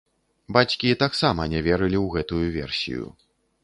Бацькі таксама не верылі ў гэтую версію.